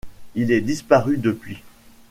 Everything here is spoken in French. Il est disparu depuis.